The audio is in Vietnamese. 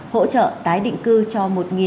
hỗ trợ tái định cư cho